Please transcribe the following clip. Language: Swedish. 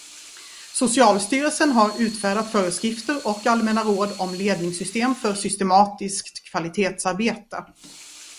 Socialstyrelsen har utfärdat föreskrifter och allmänna råd om ledningssystem för systematiskt kvalitetsarbete.